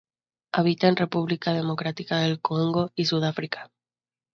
Habita en República Democrática del Congo y Sudáfrica.